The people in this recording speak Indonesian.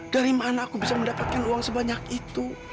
dari mana aku bisa mendapatkan uang sebanyak itu